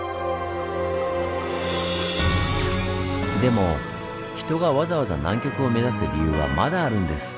でも人がわざわざ南極を目指す理由はまだあるんです！